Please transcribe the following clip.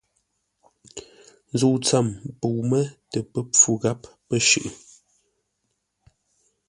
Zə̂u tsəm pəu mə́ tə pə́ pfú gháp pə̂ shʉʼʉ.